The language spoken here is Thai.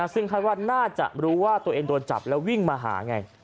ซึ่งคาดว่าน่าจะรู้ว่าตัวเองโดนจับแล้ววิ่งมาหาไง